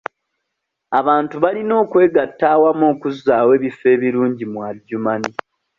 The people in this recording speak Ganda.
Abantu balina okwegatta awamu okuzzaawo ebifo ebirungi mu Adjumani.